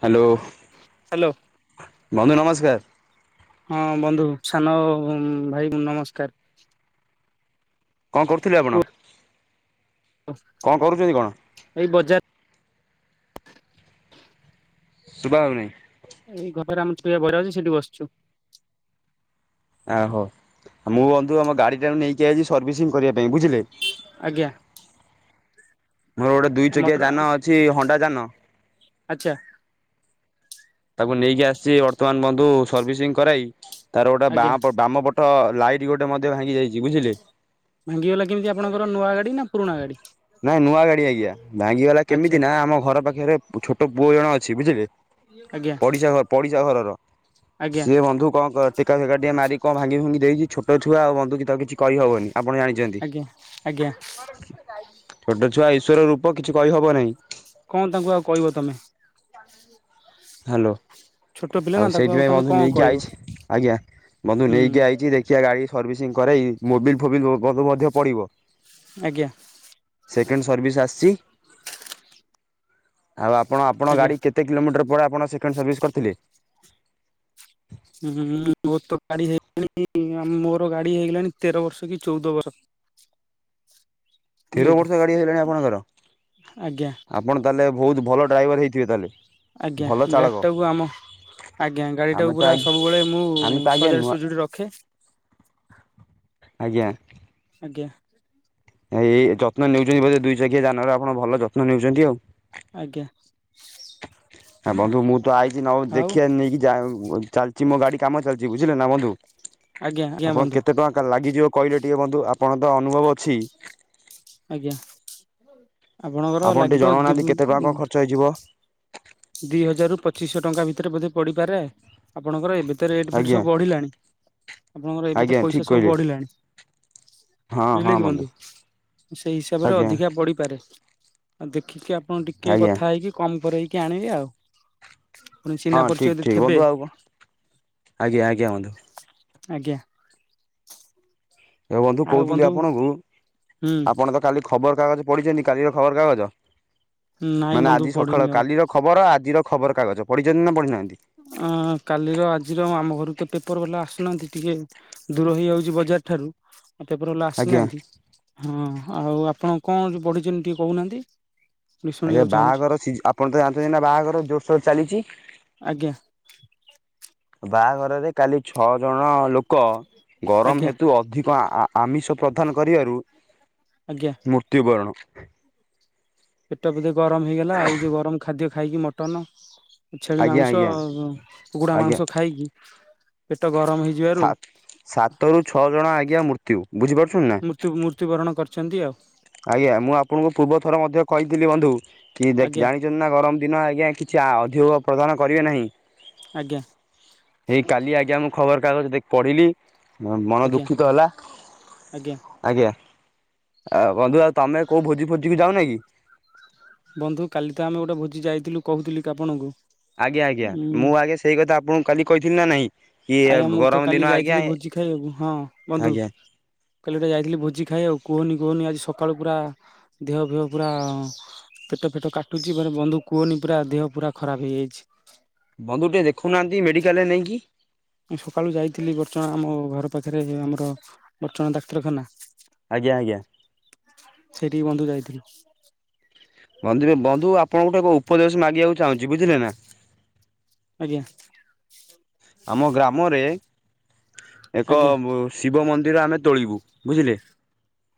Hello hello ବନ୍ଧୁ ନମସ୍କାର। ହଁ ବନ୍ଧୁ ସାନ ଭାଇ ନମସ୍କାର। କଣ କରୁଥିଲେ ଆପଣ? ଓ କଣ କରୁଛନ୍ତି କଣ ଏଇ ବଜାର ଶୁଭା ହଉ ନାହିଁ ଏଇ ଘରେରେ ଆମର ଟିକେ ବଜାଉଛି ସେଇଠି ବସିଛୁ। ଓହୋ ମୁଁ ବନ୍ଧୁ ଆମ ଗାଡି ଟାକୁ ନେଇକି ଆଛି ସର୍ଭିସିଂ କରିବା ପାଇଁ ବୁଝିଲେ ଆଜ୍ଞା ମୋର ଗୋଟେ ଦୁଇ ଚକିଆ ମଟର ଯାନ ଅଛି ହଣ୍ଡା ଯାନ ଆଚ୍ଛା ତାକୁ ନେଇକି ଆସିଛି ବର୍ତ୍ତମାନ ବନ୍ଧୁ ସର୍ଭିସିଂ କରାଇ ତାର ଗୋଟେ ଆଜ୍ଞା ବାମ ପଟ ଲାଇଟ୍ ଗୋଟେ ମଧ୍ୟ ଭାଙ୍ଗି ଯାଇଛି ବୁଝିଲେ ଭାଙ୍ଗିଗଲା କେମିତି ଆପଣଙ୍କର ନୂଆ ଗାଡି ନା ପୁରୁଣା ଗାଡି ନାଇଁ ନୂଆ ଗାଡି ଆଜ୍ଞା ଭାଙ୍ଗିଗଲା ଆଚ୍ଛା କେମିତି ନା ଆମ ଘର ପାଖରେ ଛୋଟ ପୁଅ ଜଣ ଅଛି ବୁଝିଲେ ଆଜ୍ଞା ପଡିଶା ଘ ପଡିଶା ଘରର ଆଜ୍ଞା ସିଏ ବନ୍ଧୁ କଣ ଟେକା ଫୋକା ଟିକେ ମାରି କଣ ଭାଙ୍ଗି ଫାଙ୍ଗି ଦେଇଛି ଛୋ ତୋ ଛୁଆ ଆଉ ବନ୍ଧୁକୀ ତାକୁ କିଛି କହିହବନି ଆପଣ ଜାଣିଛନ୍ତି ଆଜ୍ଞା ଆଜ୍ଞା ଛୋଟ ଛୁଆ ଈଶ୍ୱର ରୂପ କିଛି କହିହବ ନାହିଁ କଣ ତାଙ୍କୁ ଆଉ କହିବ ତମେ ହ୍ୟାଲୋ ଛୋଟ ପିଲା ନା ଆଉ ତାକୁ ସେଇଥିପାଇଁ ତମେ ବନ୍ଧୁ କଣ ନେଇକି କହିବ ଆଇଛି ଆଜ୍ଞା ବନ୍ଧୁ ହୁଁ ନେଇକି ଆଇଛି ଦେଖିବା ଗାଡି ସର୍ଭିସିଂ କରାଇ ମୋବିଲ ଫୋବିଲ ମଧ୍ୟ ପଡ଼ିବ ଆଜ୍ଞା ସେକେଣ୍ଡ ସର୍ଭିସ୍ ଆସିଛି ଆଉ ଆପଣ ଆପଣ ଆଜ୍ଞା ଗାଡ଼ି କେତେ କିଲୋମିଟର ପରେ ଆପଣ ସେକେଣ୍ଡ ସର୍ଭିସ୍ କରିଥିଲେ ହୁଁ ମୋର ତ ଗାଡି ହେଇଗଲାଣି ମୋର ଗାଡି ହେଇଗଲାଣି ତେର ବର୍ଷ କି ଚଉଦ ବର୍ଷ [unintelligible] ବୁଝିଲେ ତେର କି ବର୍ଷ ଗାଡ଼ି ହେଇଗଲାଣି ଆପଣଙ୍କର ଆଜ୍ଞା ଆପଣ ତାହେଲେ ବହୁତ ଭଲ ଡ୍ରାଇଭର ହେଇଥିବେ ତାହେଲେ ଆଜ୍ଞା ଭଲ ଚାଳକ। ଗାଡ଼ିଟାକୁ ଆମ ଆଜ୍ଞା ଗାଡି ଆମେ ଟାକୁ ତ ପୁରା ଆଜ୍ଞା ସବୁବେଳେ ମୁଁ ଆମେ ତ ଆଜ୍ଞା ସଜାଡି ନୂଆ ସୁଜୁଡି ରଖେ ଆଜ୍ଞା ଆଜ୍ଞା ଏଇ ଯତ୍ନ ନେଉଛନ୍ତି ବୋଧେ ଦୁଇ ଚକିଆ ଯାନର ଆପଣ ଭଲ ଯତ୍ନ ନେଉଛନ୍ତି ଆଉ ଆଜ୍ଞା ହ ବନ୍ଧୁ ମୁଁ ତ ଆଇଛି ନହ ଆଉ ଦେଖିବା ନେଇକି ଯା ଚାଲିଛି ମୋ ଗାଡି କାମ ଚାଲିଛି ବୁଝିଲେ ନା ବନ୍ଧୁ ଆଜ୍ଞା ଆଜ୍ଞା ଆପଣ ବନ୍ଧୁ କେତେ ଟଙ୍କା ଲାଗିଯିବ- କହିଲେ ଟିକି ବନ୍ଧୁ ଆପଣଙ୍କ ତ ଅନୁଭବ ଅଛି। ଆଜ୍ଞା ଆପଣଙ୍କର ଆପଣ ଟିକେ ଲାଗିବ ତି ଜଣାଉନାହାନ୍ତି - କେତେ ଟଙ୍କା କଣ ଖର୍ଚ୍ଚ ହେଇଯିବ ଦି ହଜାର ରୁ ପଚିଶଶହ ଟଙ୍କା ଭିତରେ ବୋଧେ ପଡିପାରେ ଆପଣଙ୍କର ଏବେ- ଏତେ ରେଟ୍ ଫେଟ୍ ଆଜ୍ଞା ସବୁ ବଢିଲାଣି ଆପଣଙ୍କର ଏବେ ଆଜ୍ଞା ତ ଠିକ୍ ପଇସା ସବୁ କହିଲେ ବଢିଲାଣି ହଁ ବୁଝିଲେ ହଁ କି ବନ୍ଧୁ ସେଇ ହିସାବରେ ଆଜ୍ଞା ଅଧିକା ପଡିପାରେ ଆଉ ଦେଖିକି ଆପଣ ଟିକେ ଆଜ୍ଞା କଥା ହେଇକି କମ କରେଇକି ଆଣିବେ ଆଉ ପୁଣି ହଁ ଚିହ୍ନା ପରିଚୟ ଠିକ ଯଦି ଠିକ ଥେବେ ବନ୍ଧୁ ଆଉ କଣ ଆଜ୍ଞା ଆଜ୍ଞା ବନ୍ଧୁ ଆଜ୍ଞା ଏ ବନ୍ଧୁ କହୁଥିଲି ଆପଣଙ୍କୁ ହୁଁ ଆପଣ ତ କାଲି ଖବର କାଗଜ ପଢିଛନ୍ତି କାଲିର ଖବର କାଗଜ ନାଇଁ ମାନେ ବନ୍ଧୁ ଆଜି ପଢିନି ସକାଳ ଆଉ। କାଲିର ଖବର ଆଜିର ଖବରକାଗଜ ପଢ଼ିଛନ୍ତି ନା ପଢିନାହାନ୍ତି? ଅ କାଲିର ଆଜିର ଆମ ଘରକୁ ତ ପେପର ବାଲା ଆସୁନାହାନ୍ତି ଟିକେ ଦୂର ହେଇଯାଉଛି ବଜାର ଏଠାରୁ ପେପର ବାଲା ଆଜ୍ଞା ଆସିନାହାନ୍ତି ହଁ ଆଉ ଆପଣ କଣ ପଢିଛନ୍ତି ଟିକେ କହୁନାହାନ୍ତି ମୁଁ ଆଜ୍ଞା ଶୁଣିବାକୁ ଚାହୁଁଛି। ବାହାଘର ସିଜ ଆପଣ ତ ଜାଣିଛନ୍ତି ନା ବାହାଘର ଜୋରସୋରରେ ଚାଲିଛି ଆଜ୍ଞା ବାହାଘରରେ କାଲି ଛଅ ଜଣ ଲୋକ ଗରମ ଆଜ୍ଞା ହେତୁ ଅଧିକ ଆ - ଆମିଷ ପ୍ରଦାନ କରିବାରୁ ଆଜ୍ଞା ମୃତ୍ୟୁବରଣ ପେଟ ବୋଧେ ଗରମ ହେଇଗଲା ଏଇ ଯୋଉ ଗରମ ଖାଦ୍ୟ ଖାଇକି ମଟନ ଛେଳି ଆଜ୍ଞା ମାଂସ ଆଜ୍ଞା କୁକୁଡା ଆଜ୍ଞା ମାଂସ ଖାଇକି ପେଟ ଗରମ ହେଇଯିବାରୁ ସାତରୁୁ ଛଅ ଜଣ ଆଜ୍ଞା ମୃତ୍ୟୁ ବୁଝିପାରୁଛନ୍ତିନା ମୃତ୍ୟୁ ମୃତ୍ୟୁବରଣ କରିଛନ୍ତି ଆଉ ଆଜ୍ଞା ମୁଁ ଆପଣଙ୍କୁ ପୂର୍ବ ଥର ମଧ୍ୟ କହିଥିଲି ବନ୍ଧୁ କି ଆଜ୍ଞା ଜାଣିଛନ୍ତି, ନା ଗରମ ଦିନ ଆଜ୍ଞା କିଛି ଅଧିକ ପ୍ରଦାନ କରିବେ ନାହିଁ। ଆଜ୍ଞା। ହେଇ କାଲି ଆଜ୍ଞା ମୁଁ ଖବର କାଗଜ ଦେଖି ପଢିଲି ହ ମନ ଆଜ୍ଞା ଦୁଃଖିତ ହେଲା ଆଜ୍ଞା ଆଜ୍ଞା। ଆ ବନ୍ଧୁ ଆଉ ତମେ କୋଉ ଭୋଜି ଫୋଜି କୁ ଯାଉନ କି? ବନ୍ଧୁ କାଲି ତ ଆମେ ଗୋଟେ ଭୋଜି ଯାଇଥିଲୁ କହୁଥିଲୁ କି ଆପଣଙ୍କୁ ଆଜ୍ଞା ଆଜ୍ଞା ଉଁ ମୁଁ ଆଜ୍ଞା ସେଇ କଥା ଆପଣଙ୍କୁ କାଲି କହିଥିଲି, ନା ନାଇଁ? ଆଜ୍ଞା ମୁଁ ତ କାଲି ଯାଇଥିଲି ଭୋଜି ଖାଇବାକୁ ହଁ ବନ୍ଧୁ। ଆଜ୍ଞା କାଲି ଗଟେ ଯାଇଥିଲି ଭୋଜି ଖାଇବାଏ ଆଉ କୁହନି କୁହନି ଆଜି ସକାଳୁ ପୁରା ଦେହ ଫେହ ପୁରା ପେଟ ଫେଟ କାଟୁଛି ମ ବନ୍ଧୁ କୁହନି ପୁରା ଦେହ ପୁରା ଖରାପ ହେଇଯାଇଛି। ବନ୍ଧୁ ଟେ ଦେଖୁନାହାନ୍ତି ମେଡିକାଲରେ ନେଇକି? ମୁଁ ସକାଳୁ ଯାଇଥିଲି ବଡଚଣା ଆମ ଘର ପାଖରେ ଆମର ବଡଚଣା ଡାକ୍ତରଖାନା। ଆଜ୍ଞା ଆଜ୍ଞା ସେଇଠିକି ବନ୍ଧୁ ଯାଇଥିଲି। ବନ୍ଧୁ ଆପଣଙ୍କଠୁ ଏକ ଉପଦେଶ ମାଗିବାକୁ ଚାହୁଁଛି ବୁଝିଲେ ନା? ଆଜ୍ଞା। ଆମ ଗ୍ରାମରେ ଏକ ଆଜ୍ଞା ଶିବ ମନ୍ଦିର ଆମେ ତୋଳିବୁ ବୁଝିଲେ।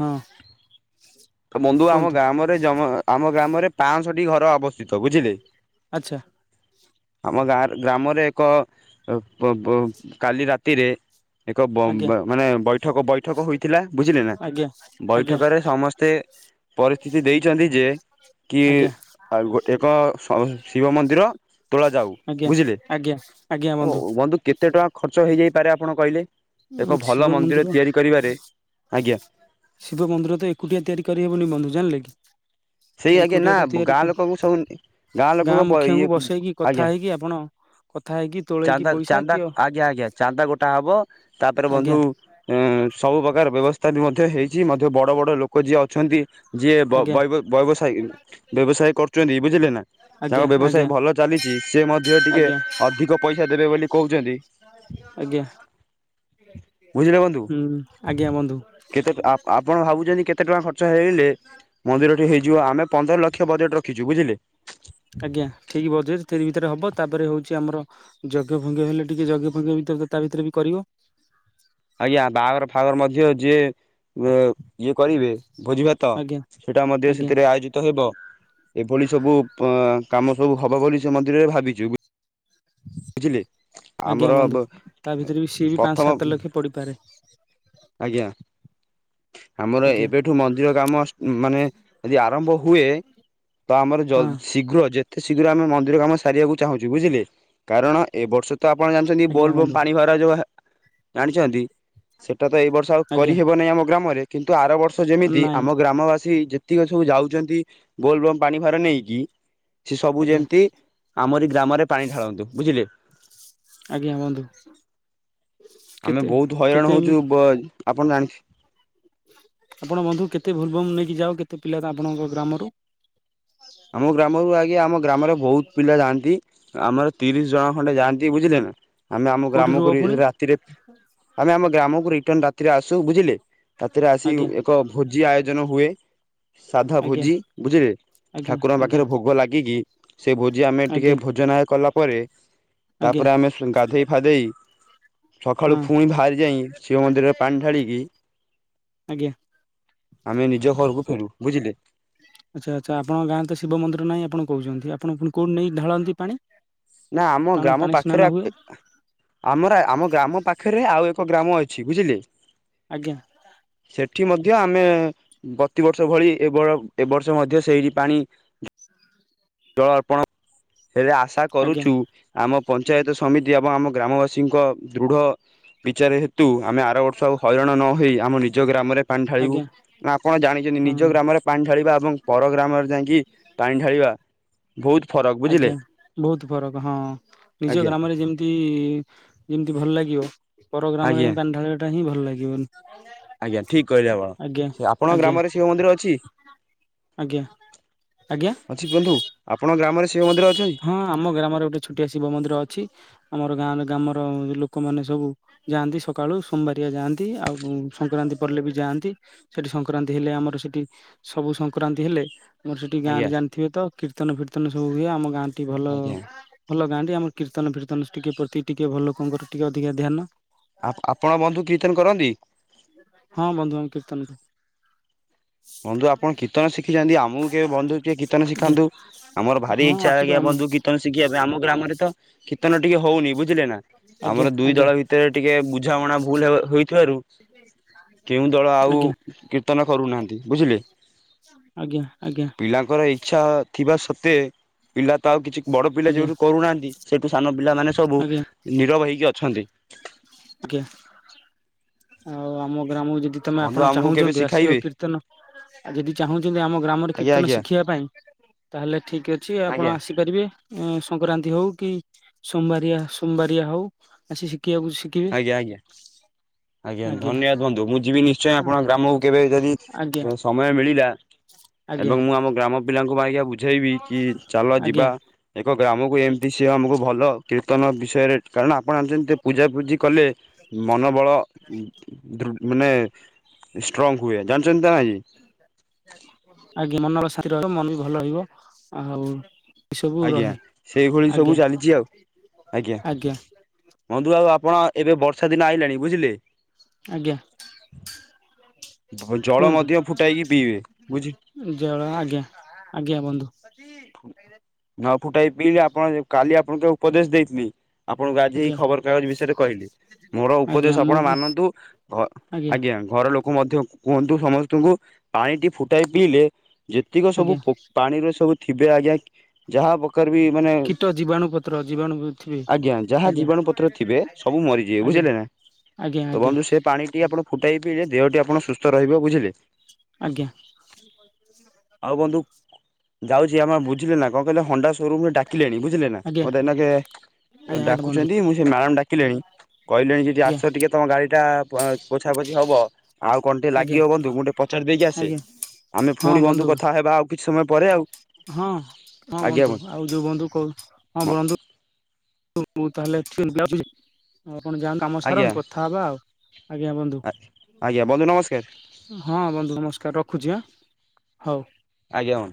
ହଁ। ତ ବନ୍ଧୁ ଆମ କୁହନ୍ତୁ ଗ୍ରାମରେ ଆମ ଗ୍ରାମରେ ପାଞ୍ଚଶଟି ଘର ଅବସ୍ଥିତ ବୁଝିଲେ। ଆଚ୍ଛା। ଆମ ଗାଁ ଗ୍ରାମରେ ଏକ କାଲି ରାତିରେ ଏକ ଆଜ୍ଞା ମାନେ ବୈଠକ ବୈଠକ ହୋଇଥିଲା ବୁଝିଲେ ନା ଆଜ୍ଞା ଆଜ୍ଞା ବୈଠକରେ ସମସ୍ତ ପରିସ୍ଥିତି ଦେଇଛନ୍ତି, ଯେ ଆଜ୍ଞା। ଗୋଟେ କ ଶିବ ମନ୍ଦିର ତୋଳା ଯଉ। ଆଜ୍ଞା ବୁଝେଲେ। ଆଜ୍ଞା ଆଜ୍ଞା ବନ୍ଧୁ। କେତେ ଟଙ୍କା ଖର୍ଚ ହେଇଯାଇପାରେ ଆପଣ କହିଲେ? ଏକ ଉଁ ଭଲ ଶିବ ମନ୍ଦିର ତିଆରି କରିବାରେ ଆଜ୍ଞା ଶିବ ମନ୍ଦିର ତ ଏକୁଟିଆ ତିଆରି କରିହେବୁନି ବନ୍ଧୁ ଜାଣିଲେ କି? ସେଇ ଆଜ୍ଞା ଏକୁଟିଆ ନା ତ ତିଆରି ଗାଁ କ ଲୋକଙ୍କୁ ସବୁ ଗାଁ ଲୋକଙ୍କ ମୁଖିଆଙ୍କୁ ଇଏ ବସେଇକି କଥା ଆଜ୍ଞା। ହେଇକି ଆପଣ କଥା ହେଇକି ତୋଳେଇକି ଚାନ୍ଦା ପଇସା ଚାନ୍ଦା କିଅ ଆଜ୍ଞା ଆଜ୍ଞା ଚାନ୍ଦା ଗୋଟା ହବ। ତାପରେ ବନ୍ଧୁ ଆଜ୍ଞା ଏ ସବୁ ପ୍ରକାର ବ୍ୟବସ୍ଥା ବି ମଧ୍ୟ ହେଇଛି, ମଧ୍ୟ ବଡ ବଡ ଲୋକ ଯିଏ। ଅ ଛନ୍ତି ଯିଏ ଆଜ୍ଞା ବୈ ବ୍ୟବସାୟ ବ୍ୟବସାୟ କରୁଛନ୍ତି ବୁଝିଲେ ନା ତାଙ୍କ ଆଜ୍ଞା ବ୍ୟବସାୟ ଆଜ୍ଞା ଭଲ ଚାଲିଛି ସେ ମଧ୍ୟ ଟିକେ। ଆଜ୍ଞା ଅଧିକ ପଇସା ଦେବେ ବୋଲି କହୁଛନ୍ତି। ଆଜ୍ଞା। ବୁଝିଲେ ବନ୍ଧୁ ହୁଁ ଆଜ୍ଞା ବନ୍ଧୁ କେତେ ଆପଣ ଭାବୁଛନ୍ତି କେତେ କେତେ ଟଙ୍କା ଖର୍ଚ୍ଚ ହେଇଲେ, ମନ୍ଦିରଟି ହେଇଯିବ ଆମେ ପନ୍ଦର ଲକ୍ଷ ବଜେଟ୍ ରଖିଛୁ ବୁଝିଲେ। ଆଜ୍ଞା ଠିକ୍ ବଜେଟ୍ ତିରି ଭିତରେ ହବ। ତାପରେ ହଉଛି ଆମର ଯଜ୍ଞ ଫଜ୍ଞ ହେଲେ ଟିକେ ଯଜ୍ଞ ଫଜ୍ଞ ଭିତରେ ତା ଭିତରେ ବି କରିବ। ଆଜ୍ଞା ବାହାଘର ଫଦର ମଧ୍ୟ ଯିଏ ଇଏ କରିବେ। ଭୋଜି ଭାତ ଆଜ୍ଞା ସେଟା ମଧ୍ୟ ଆଜ୍ଞା ସେଥିରେ ଆୟୋଜିତ ହେବ। ଏଭଳି ସବୁ କାମ ସବୁ ହବ ବୋଲି ସେ ମନ୍ଦିରରେ ଭାବିଛୁ। ବୁଝିଲେ ଆଜ୍ଞା ଆମର ବନ୍ଧୁ ତା ଭିତରେ ବି ସିଏ ବି ପାଞ୍ଚ ପ୍ରଥମ ସାତ ଲକ୍ଷ ପଡିପାରେ ଆଜ୍ଞା। ଆମର ଆଜ୍ଞା ଏବେଠୁ ମନ୍ଦିର କାମ ମାନେ ଯଦି ଆରମ୍ଭ ହୁଏ। ତ ଆମର ହଁ ଶୀଘ୍ର ଯେତେ ଶୀଘ୍ର ଆମେ ମନ୍ଦିର କାମ ସାରିବାକୁ ଚାହୁଁଛୁ ବୁଝିଲେ କାରଣ ଏବ ବର୍ଷ ତ ଆପଣ ଜାଣିଛନ୍ତି ଆଜ୍ଞା ବୋଲ୍ବ ବନ୍ଧୁ ପାଣି ଭର ଯେଉଁ ଜାଣିଛନ୍ତି ସେ ଟା ତ ଏଇ ବର୍ଷ ଆଉ ଆଜ୍ଞା କରିହେବ ନାହିଁ ଆମ ଗ୍ରାମରେ, କିନ୍ତୁ ଆର ବର୍ଷ ଯେମିତି ନାଇଁ ଆମ ଗ୍ରାମବାସୀ ଯେତିକ ସବୁ ଯାଉଚନ୍ତି ବୋଲ୍ ବମ ପାଣି ଭାର ନେଇକି ସେ ସବୁ ଆଜ୍ଞା ଯେମତି ଆମରି ଗ୍ରାମରେ ପାଣି ଢାଳନ୍ତୁ ବୁଝିଲେ। ଆଜ୍ଞା ହୁଅନ୍ତୁ। ଆମେ ବହୁତ ହଇରାଣ ହଉଚୁ ଆପଣ ଜାଣିଥି ଆପଣ ବନ୍ଧୁ କେତେ ବୋଲବୁମ ନେଇକି ଯାଅ କେତେ ପିଲା ଆପଣଙ୍କ ଗ୍ରାମରୁ? ଆମ ଗ୍ରାମରୁ ଆଜ୍ଞା ଆମ ଗ୍ରାମରେ ବହୁତ ପିଲା ଯାଆନ୍ତି। ଆମର ତିରିଶ ଜଣ ଖଣ୍ଡେ ଯାଆନ୍ତି ବୁଝିଲେ ନା। ଆମେ ଆମ କୋଉଠି ରୁହ ଗ୍ରାମକୁ ପୁଣି ରାତିରେ ଆମେ ଆମ ଗ୍ରାମକୁ ରିଟର୍ନ ରାତିରେ ଆସୁ ବୁଝିଲେ। ରାତିରେ ଆସି ଆଜ୍ଞା ଏକ ଭୋଜି ଆୟୋଜନ ହୁଏ। ସାଧା ଆଜ୍ଞା ଭୋଜି ବୁଝିଲେ। ଆଜ୍ଞା ଠାକୁରଙ୍କ ଆଜ୍ଞା ପାଖରେ ଭୋଗ ଲାଗିକି ସେ ଭୋଜି ଆମେ ଟିକେ ଆଜ୍ଞା ଭୋଜନାୟ କଲା ପରେ ଆଜ୍ଞା ତାପରେ ଆମେ ଗାଧେଇ ଫାଧେଇ ସଖାଳୁ ହଁ ଫୁଣି ବାହାରି ଯାଇ ଶିବ ମନ୍ଦିରରେ ପାଣି ଢାଳିକି ଆଜ୍ଞା ଆମେ ନିଜ ଘରକୁ ଫେରୁ ବୁଝିଲେ। ଆଚ୍ଛା ଆଚ୍ଛା ଆପଣଙ୍କ ଗାଁରେ ତ ଶିବମନ୍ଦିର ନାହିଁ ଆପଣ କହୁଛନ୍ତି। ଆପଣ କୋଉଠି ନେଇ ଢାଳନ୍ତି ପାଣି? ନା ଆମ ପାଣି ଗ୍ରାମ ପାଣି ସ୍ନାନ ପାଖରେ ହୁଏ ଆମର ଆମ ଗ୍ରାମ ପାଖରେ ଆଉ ଏ କ ଗ୍ରାମ ଅଛି ବୁଝିଲେ। ଆଜ୍ଞା। ସେଠି ମଧ୍ୟ ଆମେ ପ୍ରତିବର୍ଷ ଭଳି ଏ ଏବ ବର୍ଷ ମଧ୍ୟ ସେଇଠି ପାଣି ସା ଜଳ ଅର୍ପଣ ହେଲେ ଆଶା ଆଜ୍ଞା କରୁୁଚୁ ଆମ ପଞ୍ଚାୟତ ସମିତି ଏବଂ ଆମ ଗ୍ରାମବାସୀଙ୍କ ଦୃଢ଼ ବିଚାର ହେତୁ ଆମେ ଆର ବର୍ଷ ଆଉ ହଇରାଣ ନହେଇ ଆମ ନିଜ ଗ୍ରାମରେ ପାଣି ଢାଳିବୁ। ଆଜ୍ଞା ନା ଆପଣ ଜାଣିଚନ୍ତି ହଁ ନିଜ ଗ୍ରାମରେ ପାଣି ଢାଳିବା ଏବଂ ପର ଗ୍ରାମରେ ଯାଇଁକି ପାଣି ଢାଳିବା ବହୁତ ଫ ଆଜ୍ଞା ବହୁତ ଫରକ ହଁ ନିଜ ଆଜ୍ଞା ଗ୍ରାମରେ ଯେମତି ଯେମିତି ଭଲ ଲାଗିବ ପରଗ୍ରାମରେ ଆଜ୍ଞା ଯାଇଁ ପାଣି ଢାଳିବାଟା ହିଁ ଭଲ ଲାଗିବନି। ଆଜ୍ଞା ଠିକ କହିଲେ ଆପଣ। ଆଜ୍ଞା ଆପଣଙ୍କ ଆଜ୍ଞା ଗ୍ରାମରେ ଶିବ ମନ୍ଦିର ଅଛି? ଆଜ୍ଞା। ଆଜ୍ଞା? ଅଛି ବନ୍ଧୁ ଆପଣଙ୍କ ଗ୍ରାମରେ ଶିବ ମନ୍ଦିର ଅଛନ୍ତି ହଁ ଆମ ଗ୍ରାମରେ ଗୋଟେ ଛୋଟିଆ ଶିବ ମନ୍ଦିର ଅଛି। ଆମର ଗାଁରେ ଗ୍ରାମର ଲୋକମାନେ ସବୁ ଯାଆନ୍ତି ସକାଳୁ ସୋମବାରିଆ ଯାଆନ୍ତି ଆଉ ସଂକ୍ରାନ୍ତି ପଡ଼ିଲେ ବି ଯାଆ ଆନ୍ତି। ସେଠି ସଂକ୍ରାନ୍ତି ହେଲେ ଆମର ସେଠି ସବୁ ସଂକ୍ରାନ୍ତି ହେଲେ ଆମର ସେଠି ଗାଁରେ ଆଜ୍ଞା ଜାଣିଥିବ ତ କୀର୍ତ୍ତନ ଫୀର୍ତ୍ତନ ସବୁ ହୁଏ। ଆମ ଗାଁ ଟି ଭଲ ଆଜ୍ଞା ଭଲ ଗାଁ ଟି ଆମ କୀର୍ତ୍ତନ ଫୀର୍ତ୍ତନ ଟିକେ ପ୍ରତି ଟିକେ ଭଲ ଲୋକଙ୍କର ଟିକେ ଅଧିକା ଧ୍ୟାନ। ଆପଣ ବନ୍ଧୁ କୀର୍ତ୍ତନ କରନ୍ତି? ହଁ ବନ୍ଧୁବାନ୍ଧ କୀର୍ତ୍ତନ ବନ୍ଧୁ ଆପଣ କୀର୍ତ୍ତନ ଶି ଶିଖିଛନ୍ତି। ଆମକୁ କେବେ ବନ୍ଧୁ ଟିକେ କୀର୍ତ୍ତନ ଆଜ୍ଞା ଶିଖାନ୍ତୁ। ଆମର ଭାରି ହଁ ଇଚ୍ଛା ଆସନ୍ତୁ ଆଜ୍ଞା ଆମ ବନ୍ଧୁ କୀର୍ତ୍ତନ ଶିଖିବା ପାଇଁ ଆମ ଗ୍ରାମରେ ତ କୀର୍ତ୍ତନ ଟିକେ ହଉନି ବୁଝିଲେ ନା। ଆମର ଆଜ୍ଞା ଦୁଇ ଦଳ ଭିତରେ ଟିକେ ବୁଝାମଣା ଭୁଲ ହେବ ଥିବାରୁ କେଉଁ ଦଳ ଆଉ ଆଜ୍ଞା କୀର୍ତ୍ତନ କରୁନାହାଁନ୍ତି। ବୁଝିଲେ ଆଜ୍ଞା ଆଜ୍ଞା ଆଜ୍ଞା ପିଲାଙ୍କର ଇଚ୍ଛା ଥିବା ସତ୍ତ୍ୱେ ପିଲା ତ ଆଉ କିଛି ବଡ ପିଲା ଆଜ୍ଞା ଯୋଉଠୁ କରୁନାହାଁନ୍ତି ସେଇଠୁ ସାନ ପିଲା ମାନ ସବୁ ଆଜ୍ଞା ନିରବ ହେଇ କି ଅଛନ୍ତି। ଆଜ୍ଞା ଆଉ ଆମ ଗ୍ରାମକୁ ଯଦି ତମେ ବନ୍ଧୁ ଆପଣ ଆମକୁ କେବେ ଚାହୁଁଛନ୍ତି ଆସିବାକୁ ଶିଖାଇବେ କୀର୍ତ୍ତନ ଆଉ ଯଦି ଚାହୁଁଛନ୍ତି ଆମ ଗ୍ରାମରେ ଆଜ୍ଞା କୀର୍ତ୍ତନ ଆଜ୍ଞା ଶିଖେଇବା ପାଇଁ ତାହେଲେ ଠିକ ଅଛି ଆପଣ ଆଜ୍ଞା ଆସିପାରିବେ। ସଂକ୍ରାନ୍ତି ହଉ କି ସୋମବାରିଆ ସୋମବାରିଆ ହଉ ଆସି ଶି କେଇଆକୁ ଶିକିବେ। ଆଜ୍ଞା ଆଜ୍ଞା ଆଜ୍ଞା ଧନ୍ୟବାଦ ବନ୍ଧୁ ମୁଁ ଯିବି ନିଶ୍ଚୟ ଆପଣଙ୍କ ଗ୍ରାମକୁ କେବେ ଯଦି ଆଜ୍ଞା ସମୟ ମିଳିଲା ଆଜ୍ଞା ଏବଂ ମୁଁ ଆମ ଗ୍ରାମ ପିଲାଙ୍କୁ ମ ଆଜ୍ଞା ବୁଝେଇବି କି ଚାଲ ଆଜ୍ଞା ଯିବା ଏକ ଆମକୁ ଏମିତି ସିଏ ଆମକୁ ଭଲ କୀର୍ତ୍ତନ ବିଷୟରେ କାରଣ ଆପଣ ଆଣିଛନ୍ତି ଯେ ପୂଜା କଲେ ମନୋବଳ ମାନେ ଷ୍ଟ୍ରଙ୍ଗ ହୁଏ ଜାଣିଛନ୍ତି। ନା ନାଇଁ ଆଜ୍ଞା ମନ ଶାନ୍ତି ରହିବ ମନ ବି ଭଲ ରହିବ ଆଉ ଏ ସବୁ ଆଜ୍ଞା ରହେ ସେଇଭଳି ସବୁ ଆଜ୍ଞା ଚାଲିଛି ଆଉ ଆଜ୍ଞା, ବନ୍ଧୁ ଆଉ ଆପଣ ଏବେ ବର୍ଷାଦିନ ଆଇଲାଣି ବୁଝିଲେ। ଆଜ୍ଞା। ଜଳ କୁହନ୍ତୁ, ମଧ୍ୟ ଫୁଟାଇକି ପିଇବେ ବୁଝି ଜଳ ଆଜ୍ଞା, ଆଜ୍ଞା ବନ୍ଧୁ। [unintelligible] ନ ଫୁଟାଇ ପିଇଲି ଆପଣ କାଲି ଆପଣଙ୍କୁ ଉପଦେଶ ଦେଇଥିଲି। ଆପଣଙ୍କୁ ଆଜି, ଏଇ ଆଜ୍ଞା ଖବରକାଗଜ ବିଷୟରେ କହିଲି। ମୋର ଉପଦେଶ ଆଜ୍ଞା ଆପଣ ମୁଁ ବି ମାନନ୍ତୁ ଘର, ଆଜ୍ଞା ଘରଲୋକ ମଧ୍ୟ, କୁହନ୍ତୁ ସମସ୍ତଙ୍କୁ, ପାଣିଟି ଫୁଟାଇ ପିଇଲେ ଯେତିକ ସବୁ ଆଜ୍ଞା। ପୋ- ପାଣିରେ ସବୁ ଥିବେ ଆଜ୍ଞା ଯାହା ମାନେ, କୀଟ ଜୀବାଣୁ ପତ୍ର ଜୀବାଣୁ ଥିବେ। ଆଜ୍ଞା ଯାହା ଆଜ୍ଞା ଜୀବାଣୁ ପତ୍ର ଥିବେ ସବୁ ମରିଯିବେ ବୁ ଆଜ୍ଞା ବୁଝିଲେ ନା, ଆଜ୍ଞା ତ ଆଜ୍ଞା ବନ୍ଧୁ ସେ ପାଣିଟି ଆପଣ ଫୁଟାଇ ପିଇଲେ, ଦେହଟି ଆପଣ ସୁସ୍ଥରହିବ ବୁଝିଲେ। ଆଜ୍ଞା ଆଉ' ବନ୍ଧୁ ଯାଉଛି ଆମ ବୁଝିଲେ ନା କଣ, କହିଲେ ହଣ୍ଡା ସୋରୁମ ରେ ଡାକିଲେଣି, ବୁଝିଲେ ନା ଆଜ୍ଞା ମୋତେ ଏନାକେ ଆଜ୍ଞା ଆଜ୍ଞା ବନ୍ଧୁ ଡାକୁଛନ୍ତି, ମୁଁ ସେ ମ୍ୟାଡାମ ଡାକିଲେଣି, କହିଲେଣି ଯେ ଟିକେ ଆଜ୍ଞା। ଆସ ଟିକେ ତମ ଗାଡି ଏଇଟା ପା-ପୋଛା ପୋଛି ହବ। ଆଉ କଣ, ଟିକେ ଆଜ୍ଞା ଲାଗିବ ବନ୍ଧୁ ମୁଁ ଟିକେ ପଚାରି ଦେଇକି ଆସେ। ଆଜ୍ଞା ଆମେ ପୁଣି ବନ୍ଧୁ କଥା ହେବା, ଆଉ କିଛି ସମୟ ପରେ ଆଉ। ହଁ, ହଁ ବନ୍ଧୁ ଆଉ ଯୋଉ ବନ୍ଧୁ କ ହଁ ବନ୍ଧୁ। ହଁ ତାହଲେ ଠିକ [unintelligible] ଆପଣ ଯାଆନ୍ତୁ, କାମ ଆଜ୍ଞା ସାରନ୍ତୁ କଥା ହବା ଆଉ' ଆଜ୍ଞା ବନ୍ଧୁ। ଆଜ୍ଞା ବନ୍ଧୁ ନମସ୍କାର ହଁ, ବନ୍ଧୁ ନମସ୍କାର ରଖୁଛି ଆଁ ହଉ। [inaudible] ଆଜ୍ଞା ବନ୍ଧୁ।